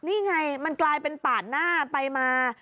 นี่ไงมันกลายเป็นปาดหน้าไปมา